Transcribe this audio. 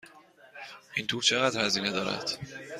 این تور چقدر هزینه دارد؟